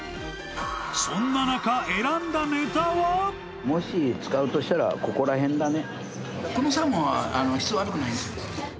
そんな中もし使うとしたらここらへんだね